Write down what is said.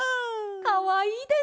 かわいいです。